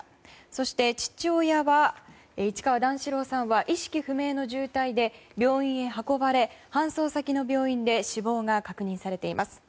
そして、父親は市川段四郎さんは意識不明の重体で病院へ運ばれ、搬送先の病院で死亡が確認されています。